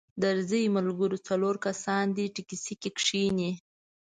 درځئ ملګرو څلور کسان دې ټیکسي کې کښینئ.